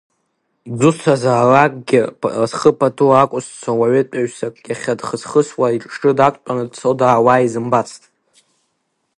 Дзусҭазаалакгьы зхы пату ақәызҵо уаҩытәыҩсак, иахьа дхысхысуа иҽы дақәтәаны, дцо-даауа изымбацт.